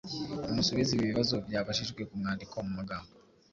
Nimusubize ibi bibazo byabajijwe ku mwandiko mu magambo